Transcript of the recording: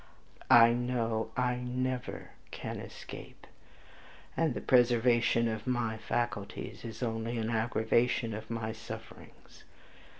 I KNOW I NEVER CAN ESCAPE, and the preservation of my faculties is only an aggravation of my sufferings.